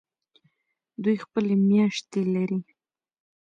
دوی خپلې میاشتې لري.